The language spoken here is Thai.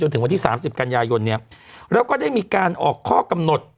ถึงวันที่๓๐กันยายนเนี่ยแล้วก็ได้มีการออกข้อกำหนด